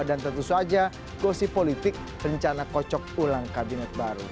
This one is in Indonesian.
dan tentu saja gosip politik rencana kocok ulang kabinet baru